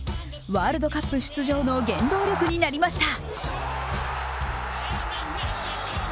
ワールドカップ出場の原動力になりました。